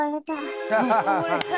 溺れた。